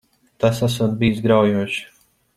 Tas esot bijis graujoši.